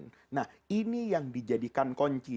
nah ini yang dijadikan kunci